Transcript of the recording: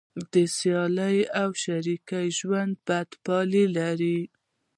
د سیالۍ او شریکۍ ژوند بده پایله لري.